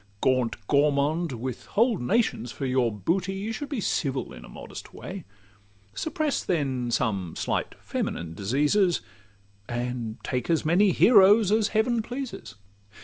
Gaunt Gourmand! with whole nations for your booty, You should be civil in a modest way: Suppress, then, some slight feminine diseases, And take as many heroes as Heaven pleases.